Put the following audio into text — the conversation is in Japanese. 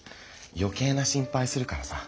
よけいな心配するからさ。